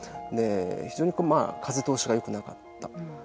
非常に風通しがよくなかった。